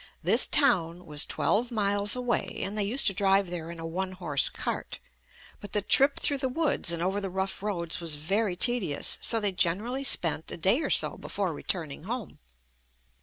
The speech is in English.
This town was twelve miles away and they used to drive there in a one horse cart, but the trip through the woods and over the rough roads was very tedious, so they gen erally spent a day or so before returning home.